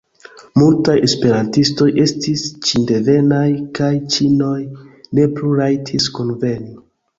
Multaj esperantistoj estis ĉindevenaj, kaj ĉinoj ne plu rajtis kunveni.